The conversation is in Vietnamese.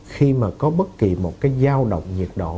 khi mà có bất kỳ một cái giao động nhiệt độ